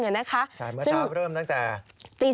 เมื่อเช้าเริ่มตั้งแต่ตี๓